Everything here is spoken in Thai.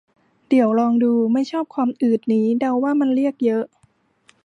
เดี๋ยวลอง ดู ไม่ชอบความอืดนี้ เดาว่ามันเรียก เยอะ